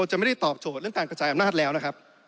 จะไม่ได้ตอบโจทย์เรื่องการกระจายอำนาจแล้วนะครับ